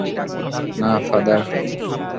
না, ফাদার।